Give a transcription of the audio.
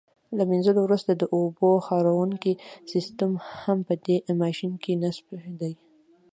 له منځلو وروسته د اوبو خاروونکی سیسټم هم په دې ماشین کې نصب دی.